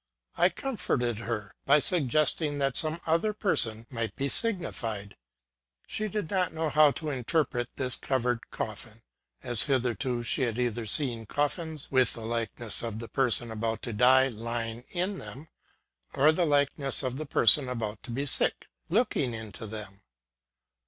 I comforted her by suggesting that some other person might be signified. She did not know how to interpret this covered coffin, as hither 88 THE SEERESS OF PREVORST. to she had either seen coffins with the likeness of the person about to die lying in them, or the like ness of the person about to be sick looking into them.